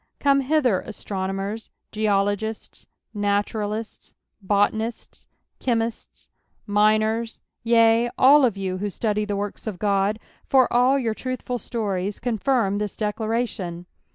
Come hither, astronomers, geologists, naturalists, botanists, chemists, miners, yea, all of you who study the works of God, for all your truthful stories conflmi this declara tion.